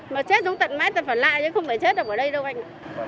mà chết giống tận mát là phần lạ chứ không phải chết ở đây đâu anh